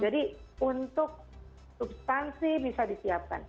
jadi untuk substansi bisa disiapkan